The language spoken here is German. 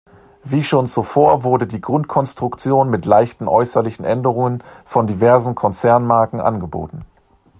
Wie schon zuvor, wurde die Grundkonstruktion mit leichten äußerlichen Änderungen von diversen Konzernmarken angeboten.